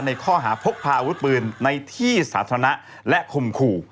ในข้อหาพกพาอาวุธปืนในที่สาธารณะและข่มขู่